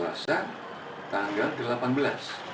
selasa tanggal delapan belas